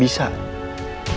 bisa terima kamu